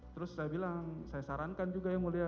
terus saya bilang saya sarankan juga ya mulia